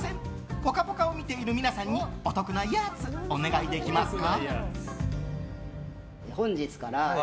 「ぽかぽか」を見ている皆さんにお得なやつ、お願いできますか？